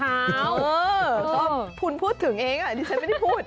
ก็คุณพูดถึงอีกเอง